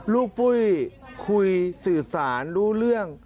ปุ้ยคุยสื่อสารรู้เรื่อง